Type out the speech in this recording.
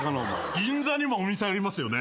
銀座にもお店ありますよね。